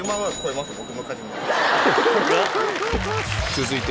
続いて